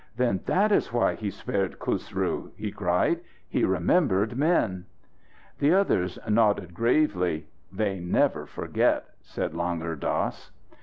"Then that is why he spared Khusru!" he cried. "He remembered men." The others nodded gravely. "They never forget," said Langur Dass.